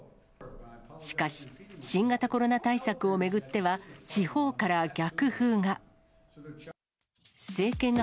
しかし、新型コロナ対策を巡っては、地方から逆風が。